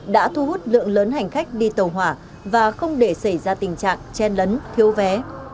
đã thu hút lượng lớn hành khách đi tàu hỏa và không để xảy ra tình trạng chen lấn thiếu vé